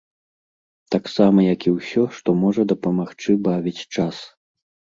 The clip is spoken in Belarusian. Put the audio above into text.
Таксама як і ўсё, што можа дапамагчы бавіць час.